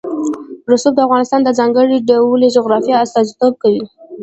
رسوب د افغانستان د ځانګړي ډول جغرافیه استازیتوب کوي.